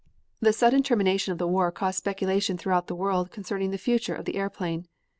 The sudden termination of the war caused speculation throughout the world concerning the future of the airplane.